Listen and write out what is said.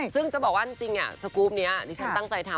ซึ่งจะบอกว่าจริงสกรูปนี้ดิฉันตั้งใจทำ